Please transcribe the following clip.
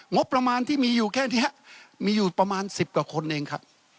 งบประมาณที่มีอยู่แค่นี้มีอยู่ประมาณ๑๐กว่าคนเองครับ